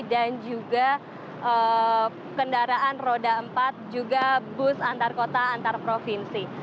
dan juga kendaraan roda empat juga bus antar kota antar provinsi